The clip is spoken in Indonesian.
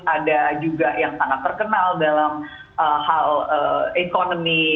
ada juga yang sangat terkenal dalam hal ekonomi